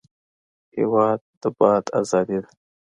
هېواد د باد ازادي ده.